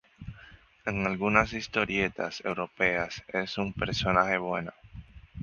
En algunas historietas europeas es un personaje bueno.